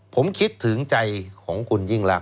ผมคิดถึงใจของคุณยิ่งรัก